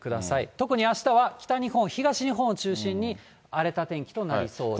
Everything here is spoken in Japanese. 特に、あしたは北日本、東日本を中心に、荒れた天気となりそうです。